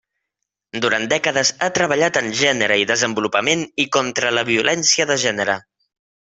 Durant dècades ha treballat en gènere i desenvolupament i contra la violència de gènere.